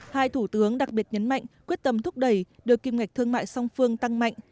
hai thủ tướng đặc biệt nhấn mạnh quyết tâm thúc đẩy đưa kim ngạch thương mại song phương tăng mạnh